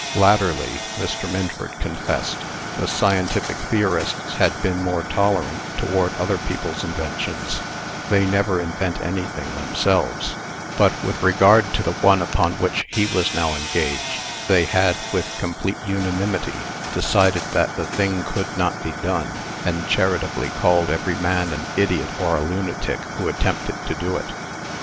Latterly (Mr. Minford confessed), the scientific theorists had been more tolerant toward other people's inventions (they never invent anything themselves); but with regard to the one upon which he was now engaged, they had, with complete unanimity, decided that the thing could not be done, and charitably called every man an idiot or a lunatic who attempted to do it.